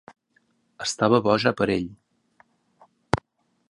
Estava boja per ell.